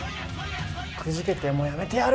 くじけて、もう辞めてやる！